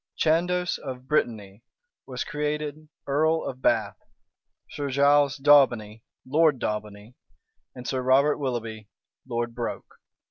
Chandos of Brittany was created earl of Bath, Sir Giles Daubeny, Lord Daubeny, and Sir Robert Willoughby, Lord Broke.